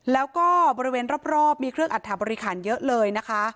แล้วก็บริเวณรอบมีเครื่องอัตถาบริคารเยอะเลยนะคะ